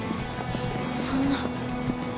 そんな。